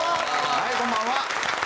はいこんばんは。